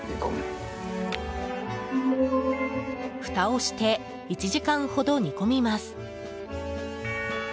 ふたをして１時間ほど煮込みます。